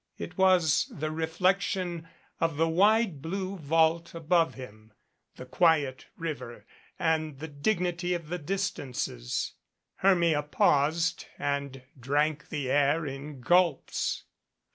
It was the reflection of the wide blue vault above him, the quiet river and the dignity of the distances. Hermia paused and drank the air in gulps.